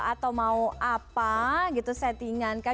atau mau apa gitu settingan kah